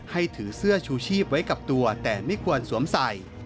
ถือเสื้อชูชีพไว้กับตัวแต่ไม่ควรสวมใส่